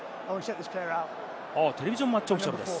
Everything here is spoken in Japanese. テレビジョン・マッチ・オフィシャルです。